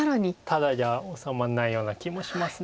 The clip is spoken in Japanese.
ただじゃ治まらないような気もします。